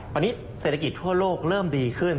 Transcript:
ตอนนี้เศรษฐกิจทั่วโลกเริ่มดีขึ้น